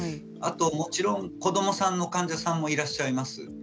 あと、もちろん子どもさんの患者さんもいらっしゃいます。